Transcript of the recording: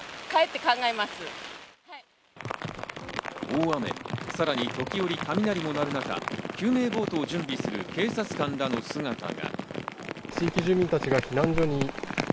大雨、さらに時折雷も鳴る中、救命ボートを準備する警察官らの姿が。